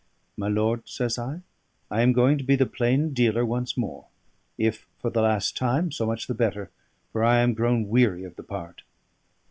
"My lord," says I, "I am going to be the plain dealer once more; if for the last time, so much the better, for I am grown weary of the part."